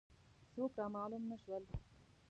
څوک را معلوم نه شول.